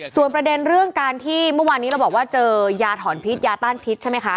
ส่วนประเด็นเรื่องการที่เมื่อวานนี้เราบอกว่าเจอยาถอนพิษยาต้านพิษใช่ไหมคะ